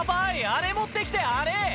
あれ持ってきて、あれ。